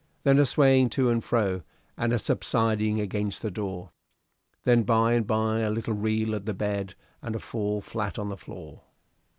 Then a swaying to and fro, and a subsiding against the door. Then by and by a little reel at the bed and a fall flat on the floor.